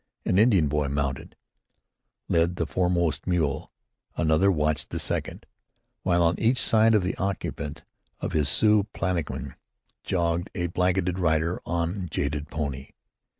An Indian boy, mounted, led the foremost mule; another watched the second; while, on each side of the occupant of this Sioux palanquin, jogged a blanketed rider on jaded pony.